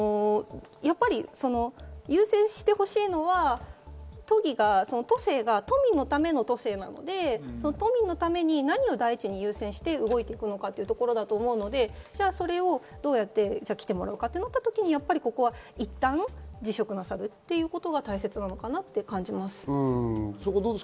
優先してほしいのは都政が都民のための都政なので、都民のために何を第一に優先して動いていくかということなので、どうやって来てもらうかとなった時にいったん辞職なさるということが大切なのかなと感じます。